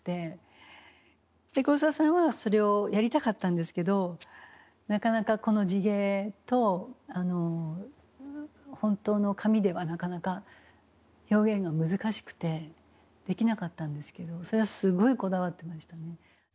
黒澤さんはそれをやりたかったんですけどなかなかこの地毛とあの本当の髪ではなかなか表現が難しくてできなかったんですけどそれはすごいこだわってましたね。